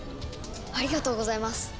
ありがとうございます。